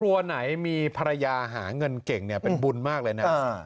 กลัวไหนมีภรรยาหาเงินเก่งเนี่ยเป็นบุญมากเลยนะ